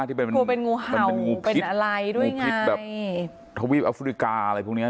ครูเป็นงูเห่าเป็นอะไรด้วยพิษแบบทวีปอฟริกาอะไรพวกนี้